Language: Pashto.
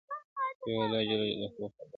• یو الله ج خبر وو -